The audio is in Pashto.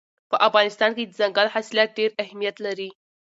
په افغانستان کې دځنګل حاصلات ډېر اهمیت لري.